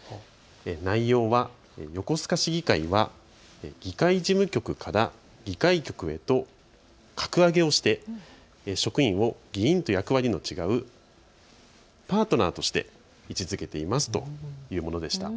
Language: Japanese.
内容は横須賀市議会には議会事務局から議会局へと格上げをして職員を議員と役割の違うパートナーとして位置づけていますというものでした。